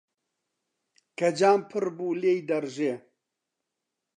کە جام پڕ بوو، لێی دەڕژێ.